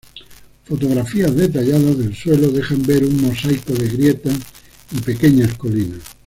Fotografías detalladas del suelo dejan ver un mosaico de grietas y pequeñas colinas.